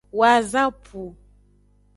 Wazapu.